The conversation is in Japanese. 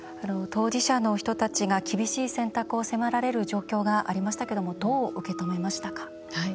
当事者の人たちが厳しい選択を迫られる状況がありましたがどう受け止めましたか？